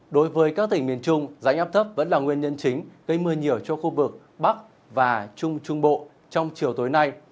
đối với các tỉnh miền trung dãy ngắp thấp vẫn là nguyên nhân chính gây mưa nhiều cho khu vực bắc và trung trung bộ trong chiều tối nay